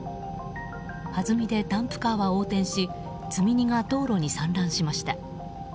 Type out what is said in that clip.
はずみでダンプカーは横転し積み荷が道路に散乱しました。